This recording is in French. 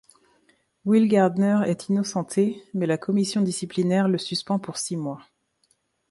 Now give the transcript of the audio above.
Will Gardner est innocenté mais la commission disciplinaire le suspend pour six mois.